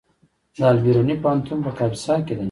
د البیروني پوهنتون په کاپیسا کې دی